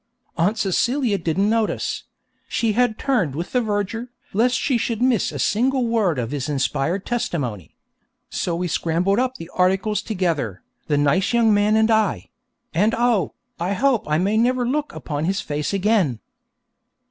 Aunt Celia didn't notice; she had turned with the verger, lest she should miss a single word of his inspired testimony. So we scrambled up the articles together, the nice young man and I; and oh, I hope I may never look upon his face again.